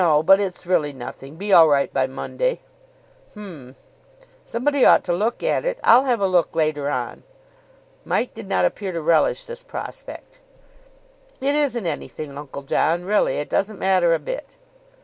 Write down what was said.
But it's really nothing. Be all right by Monday." "H'm. Somebody ought to look at it. I'll have a look later on." Mike did not appear to relish this prospect. "It isn't anything, Uncle John, really. It doesn't matter a bit."